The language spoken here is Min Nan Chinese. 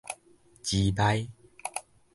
膣屄